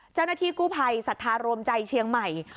เจ้าหน้าที่กู้ภัยศรัทธารวมใจเชียงใหม่